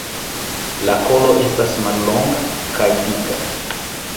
La kolo estas mallonga kaj dika.